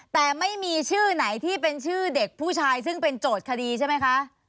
แต่ไม่มีชื่อไหนที่เป็นชื่อเด็กผู้ชายซึ่งเป็นโจทย์คดีใช่ไหมคะ